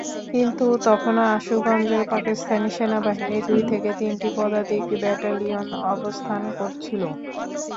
কিন্তু তখনো আশুগঞ্জে পাকিস্তানি সেনাবাহিনীর দুই থেকে তিনটি পদাতিক ব্যাটালিয়ন অবস্থান করছিল।